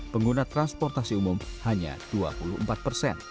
pengguna transportasi umum hanya dua puluh empat persen